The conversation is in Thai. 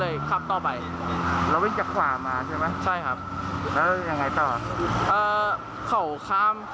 ก็ข้างบนทีก็ข้างบนทั่วแล้ว